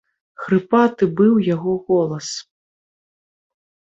Хрыпаты быў яго голас!